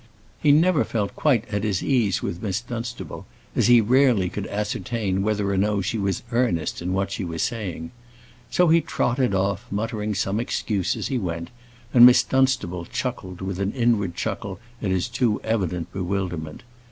He never felt quite at his ease with Miss Dunstable, as he rarely could ascertain whether or no she was earnest in what she was saying. So he trotted off, muttering some excuse as he went, and Miss Dunstable chuckled with an inward chuckle at his too evident bewilderment.